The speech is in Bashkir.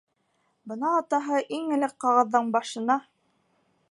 Бына атаһы иң элек ҡағыҙҙың башына: